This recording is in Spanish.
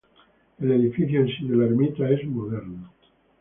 El edificio en sí de la ermita es moderno.